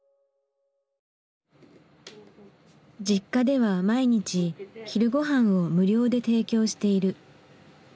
Ｊｉｋｋａでは毎日昼ごはんを無料で提供している。